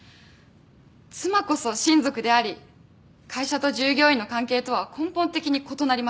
妻こそ親族であり会社と従業員の関係とは根本的に異なります。